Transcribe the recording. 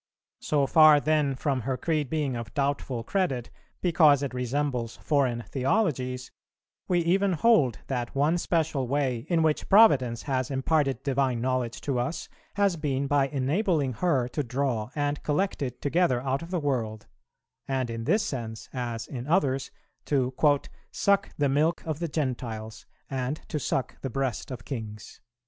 So far then from her creed being of doubtful credit because it resembles foreign theologies, we even hold that one special way in which Providence has imparted divine knowledge to us has been by enabling her to draw and collect it together out of the world, and, in this sense, as in others, to 'suck the milk of the Gentiles and to suck the breast of kings.'